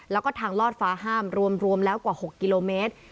แล้วก็ทางลอดฟ้าห้ามรวมแล้วกว่า๖กิโลเมตร